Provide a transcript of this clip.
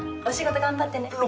お仕事頑張ってね。